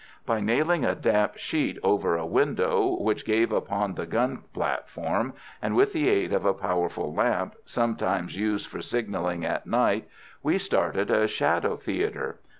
By nailing a damp sheet over a window which gave upon the gun platform, and with the aid of a powerful lamp, sometimes used for signalling at night, we started a shadow theatre.